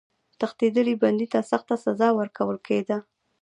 تښتېدلي بندي ته سخته سزا ورکول کېده.